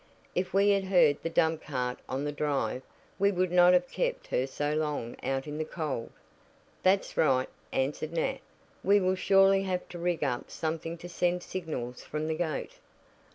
"If we had heard the dump cart on the drive we would not have kept her so long out in the cold." "That's right," answered Nat; "we will surely have to rig up something to send signals from the gate."